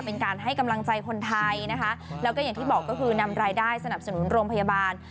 เป็นการให้กำลังใจคนไทยนะคะแล้วก็อย่างที่บอกก็คือนำรายได้สนับสนุนโรงพยาบาล